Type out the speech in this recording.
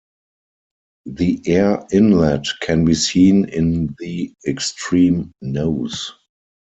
The air inlet can be seen in the extreme nose.